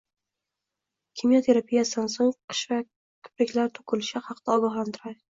Kimyo terapiyasidan so`ng qosh va kipriklar to`kilishi haqida ogohlantirishdi